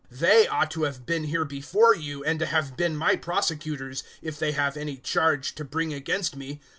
024:019 They ought to have been here before you, and to have been my prosecutors, if they have any charge to bring against me.